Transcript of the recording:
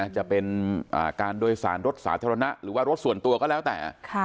จะเป็นการโดยสารรถสาธารณะหรือว่ารถส่วนตัวก็แล้วแต่